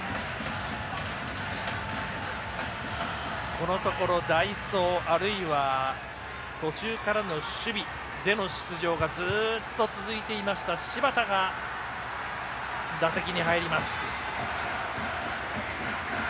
このところ代走あるいは途中からの守備での出場がずっと続いていました、柴田が打席に入ります。